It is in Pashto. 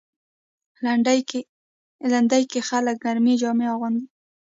لېندۍ کې خلک ګرمې جامې اغوندي.